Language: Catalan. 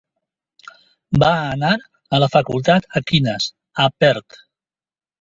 Va anar a la facultat Aquinas, a Perth.